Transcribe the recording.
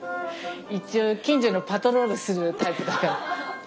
一応近所のパトロールするタイプだから。